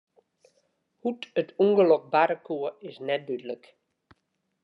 Hoe't it ûngelok barre koe, is net dúdlik.